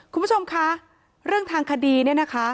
คุณผู้ชมคะเรื่องทางคดีเนี่ยนะคะ